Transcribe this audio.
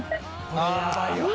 これやばいわ。